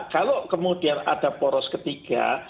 kalau kemudian ada poros ketiga